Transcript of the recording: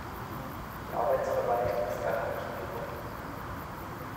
Die Arbeitsverwaltung ist daran nicht gebunden.